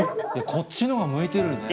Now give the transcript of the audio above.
こっちのほうが向いてるよね。